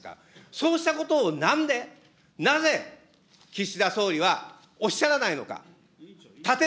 そうしたことをなんで、なぜ、岸田総理はおっしゃらないのか。